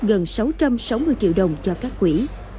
gần sáu trăm sáu mươi triệu đồng cho các quỹ